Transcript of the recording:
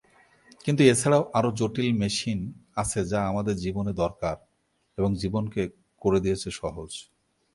কিন্তু এছাড়াও আরও জটিল মেশিন আছে যা আমাদের জীবনে দরকার এবং জীবনকে করে দিয়েছে সহজ।